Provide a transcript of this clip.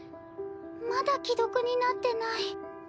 まだ既読になってない。